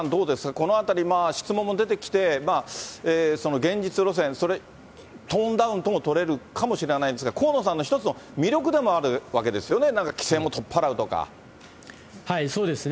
このあたり質問も出てきて、現実路線、それ、トーンダウンとも取れるかもしれないんですが、河野さんの一つの魅力でもあるわけですよね、そうですね。